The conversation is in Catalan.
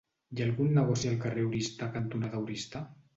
Hi ha algun negoci al carrer Oristà cantonada Oristà?